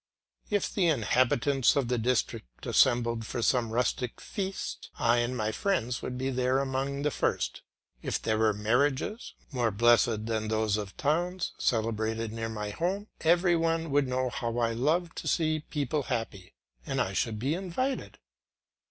If the inhabitants of the district assembled for some rustic feast, I and my friends would be there among the first; if there were marriages, more blessed than those of towns, celebrated near my home, every one would know how I love to see people happy, and I should be invited.